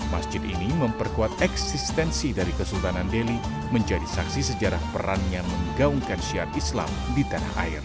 masjid ini memperkuat eksistensi dari kesultanan delhi menjadi saksi sejarah peran yang menggaungkan syiat islam di tanah air